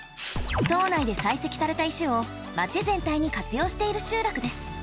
島内で採石された石を町全体に活用している集落です。